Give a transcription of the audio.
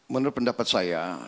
menurut pendapat saya